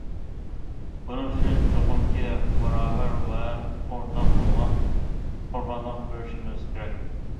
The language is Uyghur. بۇنىڭ ئۈچۈن چوقۇمكى باراۋەر ۋە ئورتاق بولغان قۇربانلىق بېرىشىمىز كېرەك.